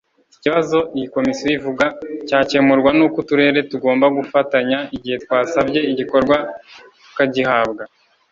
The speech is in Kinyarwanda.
Iki kibazo iyi komisiyo ivuga cyakemurwa n’uko Uturere tugomba gufatanya igihe twasabye igikorwa tukagihabwa